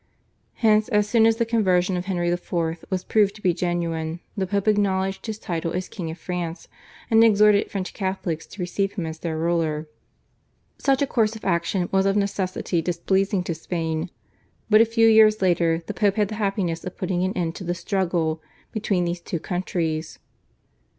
Hence as soon as the conversion of Henry IV. was proved to be genuine the Pope acknowledged his title as king of France, and exhorted French Catholics to receive him as their ruler. Such a course of action was of necessity displeasing to Spain, but a few years later the Pope had the happiness of putting an end to the struggle between these two countries.